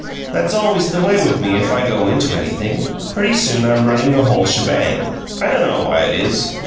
That's always the way with me if I go into anything, pretty soon I'm running the whole shebang; I dunno why it is.